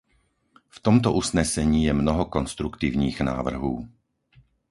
V tomto usnesení je mnoho konstruktivních návrhů.